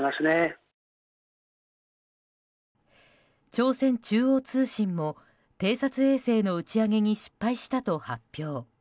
朝鮮中央通信も、偵察衛星の打ち上げに失敗したと発表。